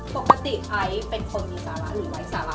ปกติไอซ์เป็นคนมีสาระหรือไร้สาระ